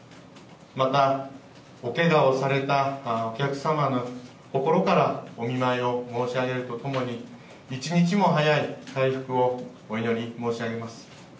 また、おけがをされたお客様に心からお見舞いを申し上げるとともに、一日も早い回復をお祈り申し上げます。